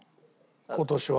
今年は。